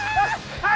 はい！